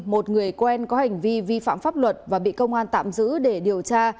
một người quen có hành vi vi phạm pháp luật và bị công an tạm giữ để điều tra